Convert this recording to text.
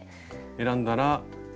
選んだら。